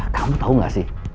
kamu tahu gak sih